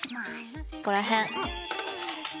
ここらへん。